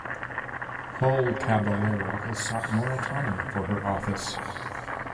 Hull Caballero has sought more autonomy for her office.